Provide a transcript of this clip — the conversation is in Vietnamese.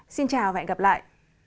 xin chào và hẹn gặp lại